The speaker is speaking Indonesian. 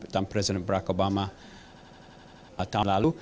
dan presiden barack obama tahun lalu